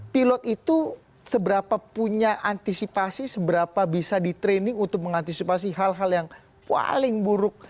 pilot itu seberapa punya antisipasi seberapa bisa di training untuk mengantisipasi hal hal yang paling buruk